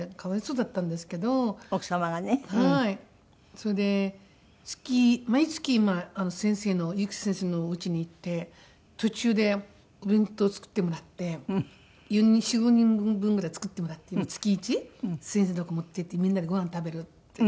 それで月毎月今先生の悠木先生のおうちに行って途中でお弁当作ってもらって４５人分ぐらい作ってもらって今月一先生のとこ持っていってみんなでごはん食べるっていう。